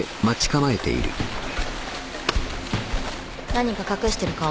何か隠してる顔。